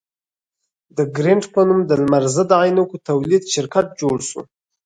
د ګرېنټ په نوم د لمر ضد عینکو تولید شرکت جوړ شو.